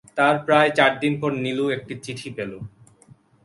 তার প্রায় চার দিন পর নীলু একটি চিঠি পেল।